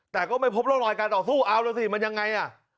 แต่ก็ไม่พบร่องรอยการต่อสู้เอาแล้วสิมันยังไงอ่ะ